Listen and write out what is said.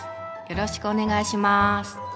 よろしくお願いします。